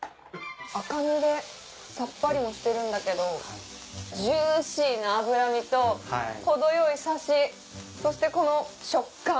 赤身でさっぱりもしてるんだけどジューシーな脂身と程よいサシそしてこの食感。